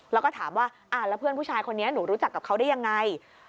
แล้วก็ถามว่าแล้วเพื่อนผู้ชายคนนี้หนูรู้จักกับเขาได้ยังไง